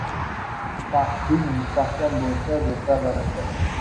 Taxting mustahkam bo‘lsa, do‘stlar yoningda